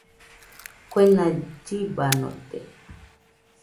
Kuena llibanote.